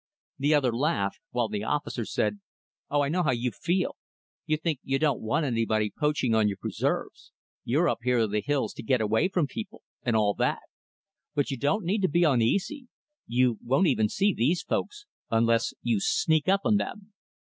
The others laughed; while the officer said, "Oh, I know how you feel! You think you don't want anybody poaching on your preserves. You're up here in the hills to get away from people, and all that. But you don't need to be uneasy. You won't even see these folks unless you sneak up on them."